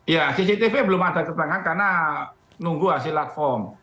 ya cctv belum ada keterangan karena nunggu hasil platform